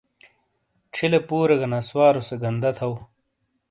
چھیلے پورے گہ نسوارو سے گندا تھو۔